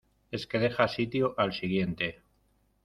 es que deja sitio al siguiente.